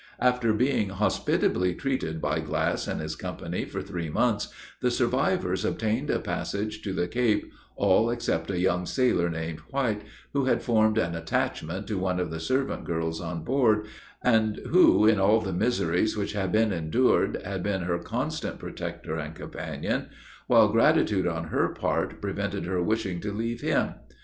After being hospitably treated by Glass and his company for three months, the survivors obtained a passage to the Cape, all except a young sailor named White, who had formed an attachment to one of the servant girls on board, and who, in all the miseries which had been endured, had been her constant protector and companion; while gratitude on her part prevented her wishing to leave him.